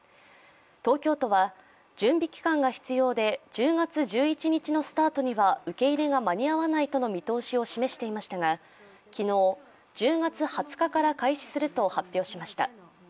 東京都は準備期間が必要で、１０月１１日のスタートには受け入れが間に合わないとの見通しを示していましたが昨日、１０月２０日から開始すると発表しました。